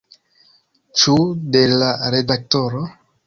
Ĉu de la redaktoro?